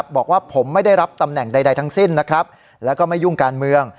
บอกว่าผมไม่ได้รับตำแหน่งใดทั้งสิ้นนะครับแล้วก็ไม่ยุ่งการเมือง